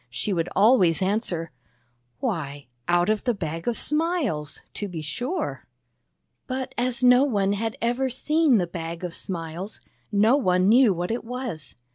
" she would always answer: " Why, out of the Bag of Smiles, to be sure." 106 THE BAG OF SMILES But as no one had ever seen the Bag of Smiles, no one knew what it was.